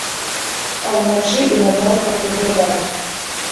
А ўначы і назаўтра прыглядаўся.